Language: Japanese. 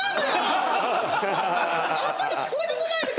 あんまり聞こえてこない。